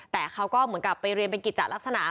แต่เขาก็เหมือนกับไปเรียนเป็นกิจจัดลักษณะ